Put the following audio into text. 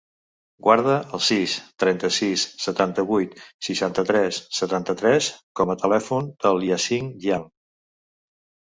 Guarda el sis, trenta-sis, setanta-vuit, seixanta-tres, setanta-tres com a telèfon del Yassin Jiang.